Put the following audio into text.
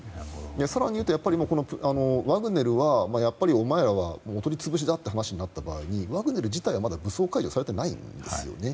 更に言うと、ワグネルはやっぱりお前はお取り潰しだという話になった場合にワグネル自体は、まだ武装解除をされていないんですよね。